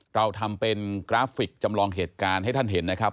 เราทำเป็นกราฟิกจำลองเหตุการณ์ให้ท่านเห็นนะครับ